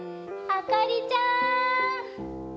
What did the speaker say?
・あかりちゃん！